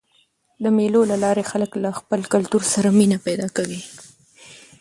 د مېلو له لاري خلک له خپل کلتور سره مینه پیدا کوي.